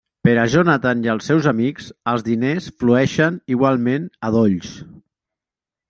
Per a Jonathan i els seus amics, els diners flueixen igualment a dolls.